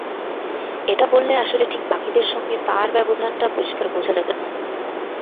এটা বললে আসলে ঠিক বাকিদের সঙ্গে তাঁর ব্যবধানটা পরিষ্কার বোঝা যাবে না।